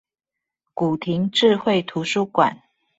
古亭智慧圖書館